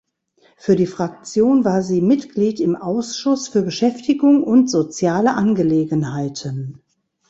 Für die Fraktion war sie Mitglied im Ausschuss für Beschäftigung und soziale Angelegenheiten.